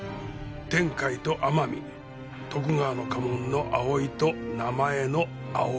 天海と天海徳川の家紋の葵と名前の葵。